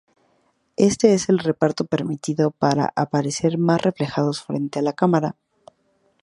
Este es el reparto permitido para a "aparecer más relajados" frente a la cámara.